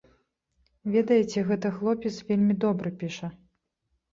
Ведаеце, гэты хлопец вельмі добра піша.